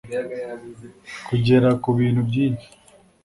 kugera ku bintu byinshi